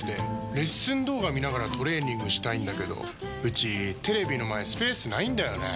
レッスン動画見ながらトレーニングしたいんだけどうちテレビの前スペースないんだよねー。